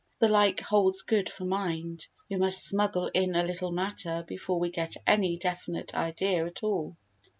The like holds good for mind: we must smuggle in a little matter before we get any definite idea at all.